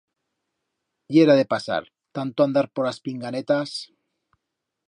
Yera de pasar, tanto andar por as pinganetas!